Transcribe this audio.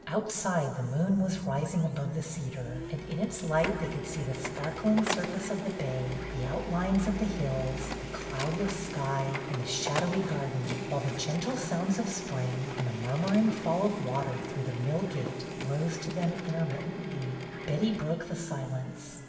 Outside the moon was rising above the cedar, and in its light they could see the sparkling surface of the bay, the outlines of the hills, the cloudless sky, and the shadowy garden, while the gentle sounds of spring and the murmuring fall of water through the mill gate rose to them intermittently. Betty broke the silence.